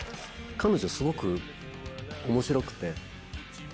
彼女スゴく面白くて。